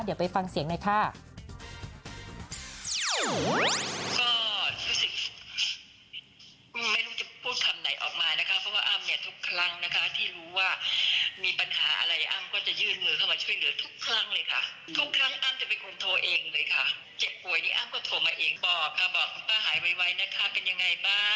เดี๋ยวไปฟังเสียงหน่อยค่ะ